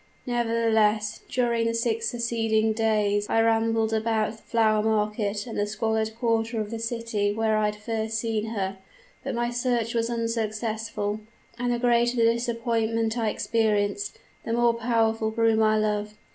Nevertheless, during the six succeeding days I rambled about the flower market and the squalid quarter of the city where I had first seen her, but my search was unsuccessful; and the greater the disappointment I experienced, the more powerful grew my love.